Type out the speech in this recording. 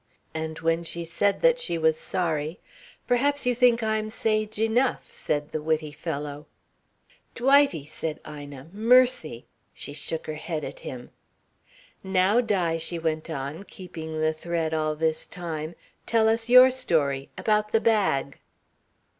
And when she said that she was sorry, "Perhaps you think I'm sage enough," said the witty fellow. "Dwightie!" said Ina. "Mercy." She shook her head at him. "Now, Di," she went on, keeping the thread all this time. "Tell us your story. About the bag."